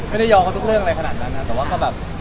ไม่ได้ยอมกับทุกเรื่องอะไรขนาดนั้นนะ